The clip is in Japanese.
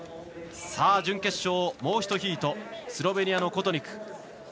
準決勝、もう１ヒートスロベニアのコトニク。